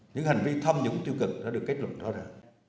những hành vi tham nhũng tiêu cực đã được kết luận đó ra